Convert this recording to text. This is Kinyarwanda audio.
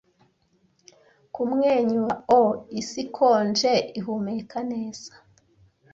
Kumwenyura O isi ikonje- ihumeka neza !